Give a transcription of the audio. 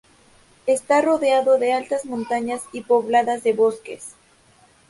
Está rodeado de altas montañas y pobladas de bosques.